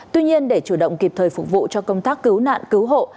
tuy nhiên để chủ động kịp thời phục vụ cho công tác cứu nạn cứu hộ